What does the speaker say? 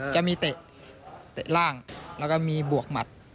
เตะล่างแล้วก็มีบวกหมัด